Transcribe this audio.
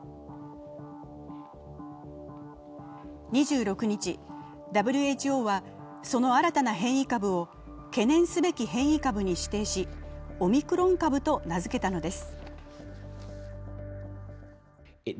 ２６日、ＷＨＯはその新たな変異株を懸念すべき変異株に指定し、オミクロン株と名付けたのです。